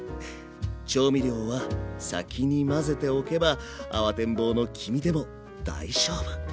調味料は先に混ぜておけば慌てん坊の君でも大丈夫。